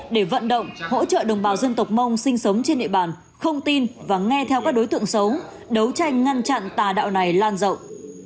để vận động hỗ trợ đồng bào dân tộc mong sinh sống trên địa bàn không tin và nghe theo các đối tượng xấu đấu tranh ngăn chặn tà đạo này lan rộng